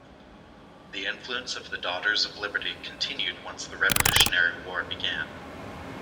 The influence of the Daughters of Liberty continued once the Revolutionary War began.